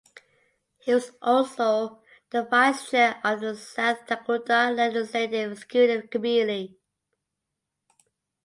He was also the vice chair of the South Dakota Legislative Executive Committee.